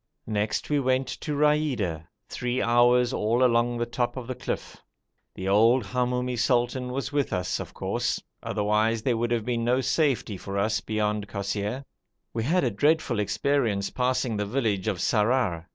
Next we went to Raida, three hours all along the top of the cliff; the old Hamoumi sultan was with us, of course, otherwise there would have been no safety for us beyond Kosseir. We had a dreadful experience passing the village of Sarrar.